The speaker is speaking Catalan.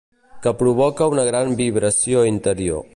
Que provoca una gran vibració interior.